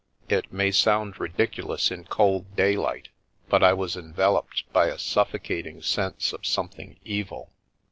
It may sound ridiculous in cold daylight, but I was envel oped by a suffocating sense of something evil.